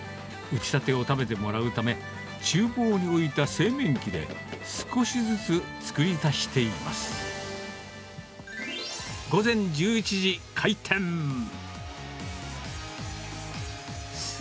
打ち立てを食べてもらうため、ちゅう房に置いた製麺機で、少しずつ作り足しています。